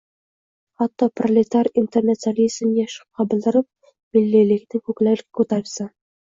Xatto proletar internatsionalizmiga shubha bildirib, milliylikni ko‘klarga ko‘taribsan.